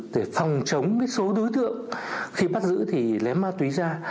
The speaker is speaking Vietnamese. để phòng chống số đối tượng khi bắt giữ thì lém ma túy ra